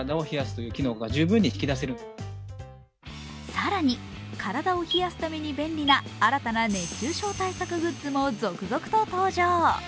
更に、体を冷やすために便利な新たな熱中症対策グッズも続々と登場。